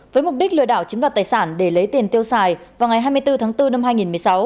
với mục đích lừa đảo chiếm đoạt tài sản để lấy tiền tiêu xài vào ngày hai mươi bốn tháng bốn năm hai nghìn một mươi sáu